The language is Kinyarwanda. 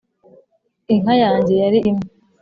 Inka yanjye yali imwe